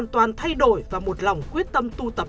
toàn thay đổi và một lòng quyết tâm tu tập